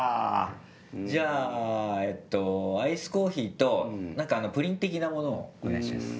じゃあえっとアイスコーヒーと何かプリン的なものをお願いしやす。